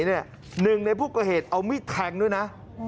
หนึ่งในผู้ก่อเหตุเอามีดแทงด้วยนะ